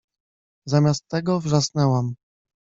Zamiast tego wrzasnęłam